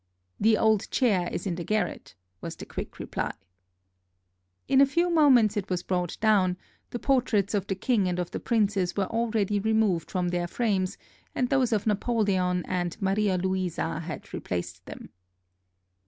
"The old chair is in the garret," was the quick reply. 360 THE RETURN OF NAPOLEON FROM ELBA In a few moments it was brought down; the portraits of the king and of the princes were already removed from their frames, and those of Napoleon and Maria Louisa had replaced them.